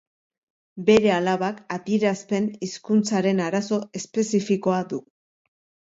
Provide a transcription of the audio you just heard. Bere alabak adierazpen hizkuntzaren arazo espezifikoa du.